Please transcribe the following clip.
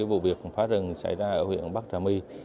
vụ việc phá rừng xảy ra ở huyện bắc trà my